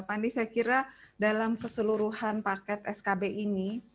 pani saya kira dalam keseluruhan paket skb ini